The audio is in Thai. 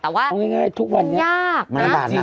แต่ว่ามันยากนะฮะจริงทุกวันนี้มันระบาดหนัก